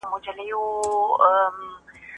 ته ولي ونې ته اوبه ورکوې